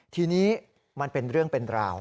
ทีนี้มันเป็นเรื่องเป็นราว